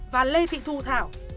và lê thị thu thảo